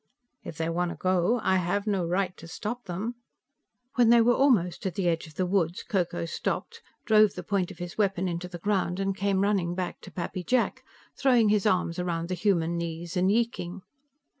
"If they want to go, I have no right to stop them." When they were almost at the edge of the woods, Ko Ko stopped, drove the point of his weapon into the ground and came running back to Pappy Jack, throwing his arms around the human knees and yeeking.